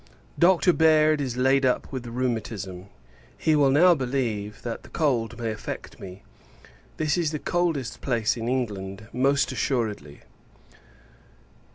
Dr. Baird is laid up with the rheumatism; he will now believe, that the cold may affect me. This is the coldest place in England, most assuredly.